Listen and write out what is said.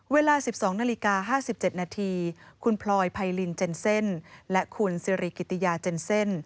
เวลาสิบสองนาฬิกาห้าสิบเจ็ดนาทีคุณพลอยภัยลินเจนเซ็นและคุณเสรีกิฎิยาเจนเซน